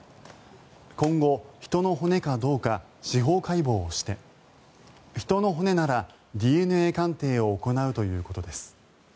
今後、人の骨かどうか司法解剖をして人の骨ならＤＮＡ鑑定を行うということです。